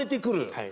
はい。